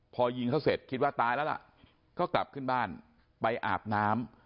พอยิงเขาเสร็จคิดว่าตายแล้วล่ะก็กลับขึ้นบ้านไปอาบน้ำ